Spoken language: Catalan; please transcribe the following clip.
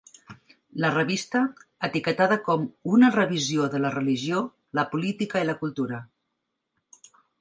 La revista, etiquetada com "Una revisió de la religió, la política i la cultura".